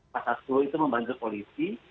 pasal sepuluh itu membantu polisi